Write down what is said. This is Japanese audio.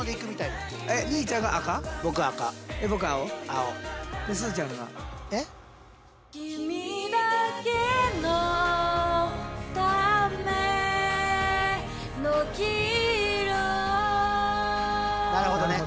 なるほどね。